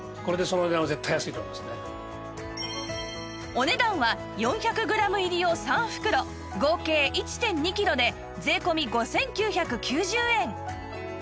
お値段は４００グラム入りを３袋合計 １．２ キロで税込５９９０円